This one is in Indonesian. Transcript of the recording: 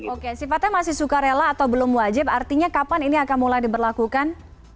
oke sifatnya masih sukarela atau belum wajib artinya kapan ini akan mulai diperlakukan